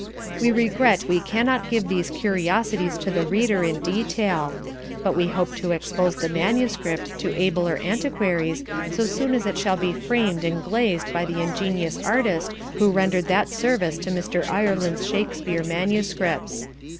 We regret we cannot give these curiosities to the reader in detail, but we hope to expose the manuscript to abler antiquaries so soon as it shall be framed and glazed by the ingenious artist who rendered that service to Mr. Ireland's Shakspeare MSS.